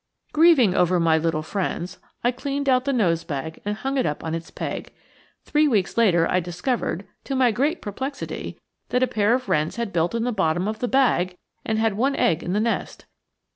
Grieving over my little friends, I cleaned out the nosebag and hung it up on its peg. Three weeks later I discovered, to my great perplexity, that a pair of wrens had built in the bottom of the bag and had one egg in the nest.